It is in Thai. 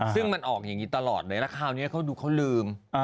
ซึ่งมันออกอย่างนี้ตลอดเลยแล้วคราวนี้เขาดูเขาลืม